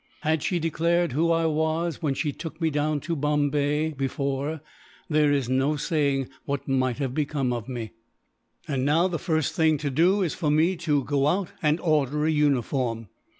Had she declared who I was when she took me down to Bombay, before, there is no saying what might have become of me. "And now, the first thing to do is for me to go out and order a uniform.